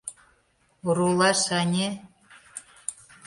Оролаш, ане...